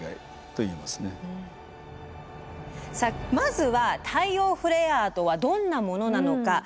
さあまずは太陽フレアとはどんなものなのか